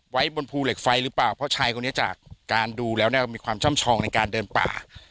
ไว้บนภูเหล็กไฟหรือเปล่าเพราะชายคนนี้จากการดูแล้วเนี่ยมีความช่ำชองในการเดินป่า